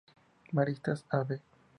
Maristas Av.